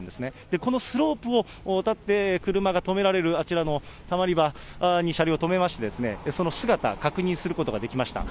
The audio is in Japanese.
このスロープを渡って車が止められるあちらのたまり場に車両を止めまして、その姿、確認することができました。